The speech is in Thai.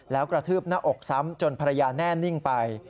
แล้วกระทืบหน้าอกซ้ำจนภรรยาแน่นิ่งไป